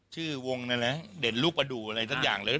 ชื่อวงนั่นแหละเด่นลูกประดูกอะไรสักอย่างเลย